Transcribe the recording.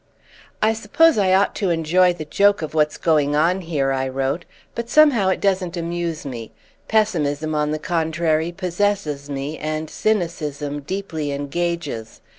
"I suppose I ought to enjoy the joke of what's going on here," I wrote, "but somehow it doesn't amuse me. Pessimism on the contrary possesses me and cynicism deeply engages.